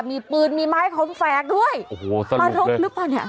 มีปืนมีไม้คมแฝกด้วยโอ้โหมารกหรือเปล่าเนี่ย